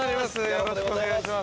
よろしくお願いします。